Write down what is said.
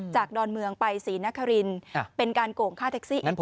ดอนเมืองไปศรีนครินเป็นการโก่งค่าแท็กซี่